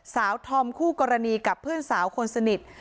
ธอมคู่กรณีกับเพื่อนสาวคนสนิท